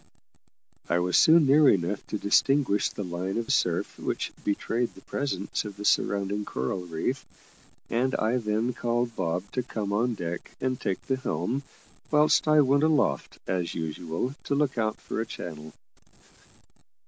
I was soon near enough to distinguish the line of surf which betrayed the presence of the surrounding coral reef, and I then called Bob to come on deck and take the helm, whilst I went aloft, as usual, to look out for a channel.